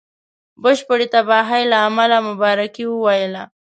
بشپړي تباهی له امله مبارکي وویله.